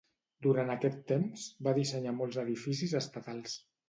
Durant aquest temps, va dissenyar molts edificis estatals.